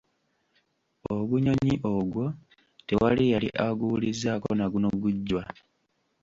Ogunyonyi ogwo tewali yali aguwulizzaako na guno gujwa.